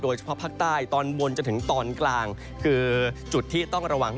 เฉพาะภาคใต้ตอนบนจนถึงตอนกลางคือจุดที่ต้องระวัง